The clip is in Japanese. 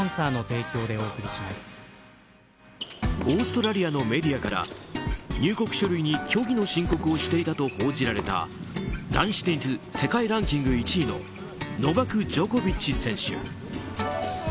オーストラリアのメディアから入国書類に虚偽の申告をしていたと報じられた男子テニス世界ランキング１位のノバク・ジョコビッチ選手。